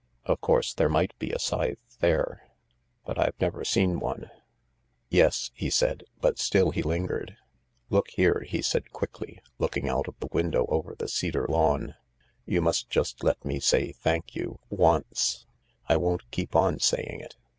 Of course, there might be a scythe there, but I've never seen one." " Yes," he said, but still he lingered. " Look here," he said quickly, looking out of the window over the cedar lawn, " you must just let me say ' thank you ' once — I won't keep on saying it.